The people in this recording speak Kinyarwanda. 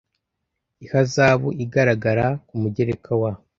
ihazabu igaragara ku mugereka wa